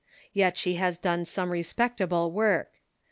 Yet she has done some respectable work.